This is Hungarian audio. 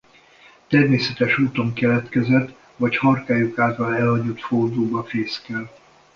Természetes úton keletkezett vagy harkályok által elhagyott faodúkban fészkel.